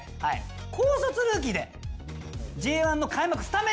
高卒ルーキーでＪ１の開幕スタメンに入った方。